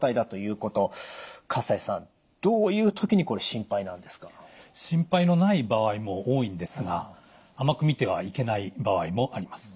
心配のない場合も多いんですが甘く見てはいけない場合もあります。